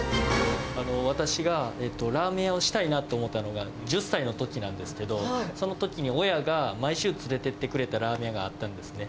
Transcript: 私がラーメン屋をしたいなと思ったのが、１０歳のときなんですけど、そのときに親が、毎週連れて行ってくれたラーメン屋があったんですね。